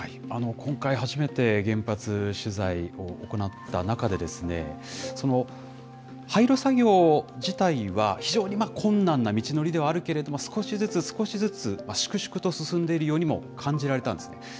今回初めて原発取材を行った中で、廃炉作業自体は非常に困難な道のりではあるけれども、少しずつ少しずつ、粛々と進んでいるようにも感じられたんですね。